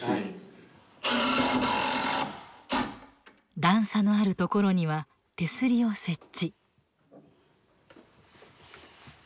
段差のあるところには手すりを設置。